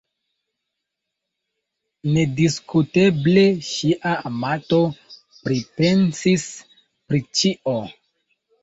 Nediskuteble ŝia amato pripensis pri ĉio.